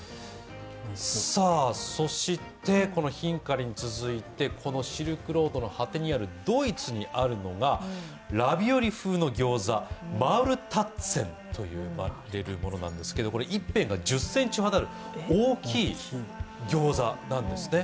そしてヒンカリに続いて、シルクロードの果てにあるドイツにあるのがラビオリ風のギョウザ、マウルタッツェンと言われるものなんですけど、一辺が１０ｃｍほどの大きいギョウザなんですね。